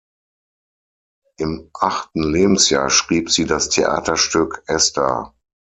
Im achten Lebensjahr schrieb sie das Theaterstück "Esther".